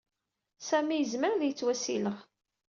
Sami yezmer ad yettwassileɣ.